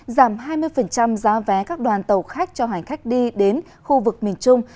giảm hai mươi giá vé các đoàn tàu khách cho hành khách đi đến khu vực miền trung